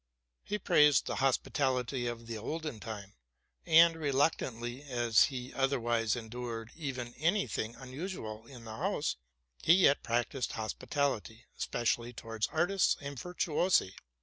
He praised the hospitality of the olden time ; and, reluctantly as he otherwise endured even any thing unusual in the house, he yet practised hospitality, especially towards artists and virtuosi.